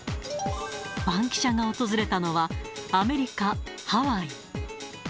バンキシャが訪れたのは、アメリカ・ハワイ。